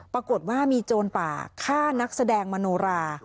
ปรากฏว่ามีโจรป่าฆ่านักแสดงมโนรา